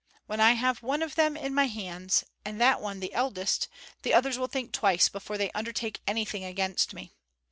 When I have one of them in my hands, and that one the eldest, the others will think twice before they undertake anything against me.